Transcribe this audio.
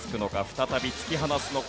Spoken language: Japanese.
再び突き放すのか？